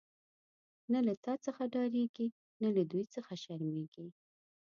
نه له تا څخه ډاریږی، نه له دوی څخه شرمیږی